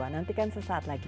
nantikan sesaat lagi